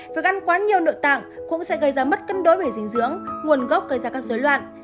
việc gắn quá nhiều nội tạng cũng sẽ gây ra mất cân đối về dinh dưỡng nguồn gốc gây ra các dối loạn